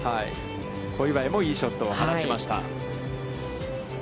小祝さんもいいショットを放ちました。